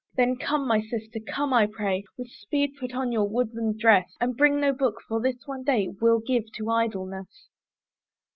Then come, my sister! come, I pray, With speed put on your woodland dress, And bring no book; for this one day We'll give to idleness.